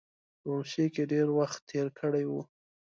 روسیې کې ډېر وخت تېر کړی وو.